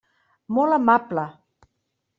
Molt amable.